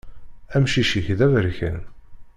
Amcic-ik d aberkan.